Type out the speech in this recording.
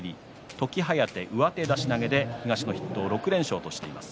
時疾風、上手出し投げで東の筆頭で６連勝としています。